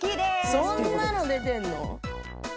そんなの出てるの？